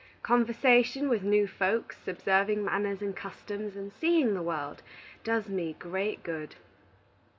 Conversation with new folks, observing manners and customs, and seeing the world, does me great good.